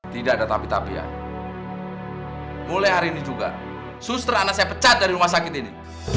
tidak ada tapi tapian mulai hari ini juga suster anak saya pecat dari rumah sakit ini